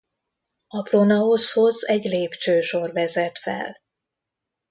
A pronaoszhoz egy lépcsősor vezet fel.